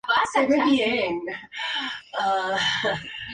Tras un mal arranque logró el tercer lugar.